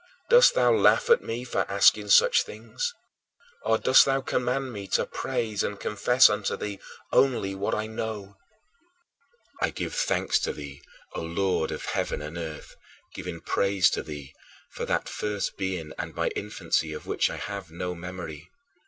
Dost thou laugh at me for asking such things? Or dost thou command me to praise and confess unto thee only what I know? 10. I give thanks to thee, O Lord of heaven and earth, giving praise to thee for that first being and my infancy of which I have no memory.